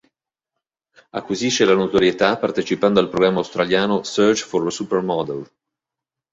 Acquisisce la notorietà partecipando al programma australiano "Search for a Supermodel".